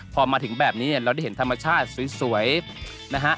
พอมาถึงแบบนี้เราได้เห็นธรรมชาติสวยนะฮะ